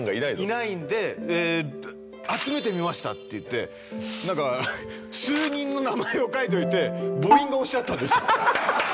いないんで「集めてみました」っていって数人の名前を書いておいて母印が押してあったんです。